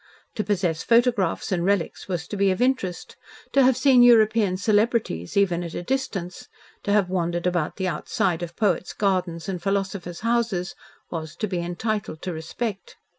To possess photographs and relics was to be of interest, to have seen European celebrities even at a distance, to have wandered about the outside of poets' gardens and philosophers' houses, was to be entitled to respect.